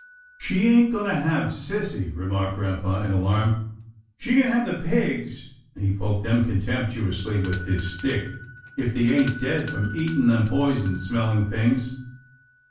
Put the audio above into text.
" She ain't going to have sissy," remarked grampa in alarm, " she can have the pigs," and he poked them contemptuously with his stick, " if they ain't dead from eating them poison smelling things."